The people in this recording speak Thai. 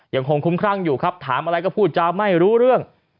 ยังคงคุ้มครั่งอยู่ครับถามอะไรก็พูดจาไม่รู้เรื่อง